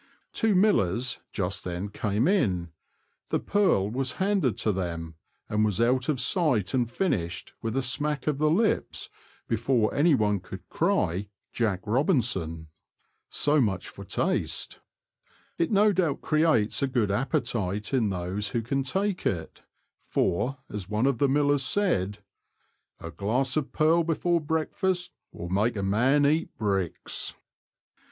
Two millers just then came in ; the purl was handed to them, and was out of sight and finished, with a smack of the lips, before one could cry "Jack Robinson." So 268 THE LAND OF THE BROADS. much for taste. It no doubt creates a good appetite in those who can take it, for, as one of the millers said, "A glass of purl before breakfast will make a man eat bricks.'